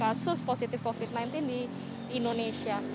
satu ratus dua kasus positif covid sembilan belas di indonesia